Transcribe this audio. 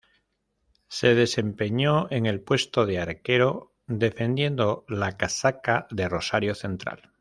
Se desempeñó en el puesto de arquero, defendiendo la casaca de Rosario Central.